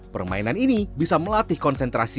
permainan ini bisa melatih konsentrasi